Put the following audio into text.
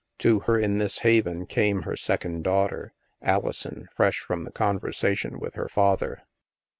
To her, in this haven, came her second daughter, Alison, fresh from the conversation with her father.